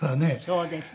そうですね。